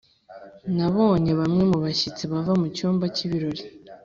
nabonye bamwe mu bashyitsi bava mu cyumba cy'ibirori.